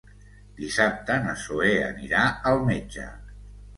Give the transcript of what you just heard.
Dissabte na Zoè anirà al metge.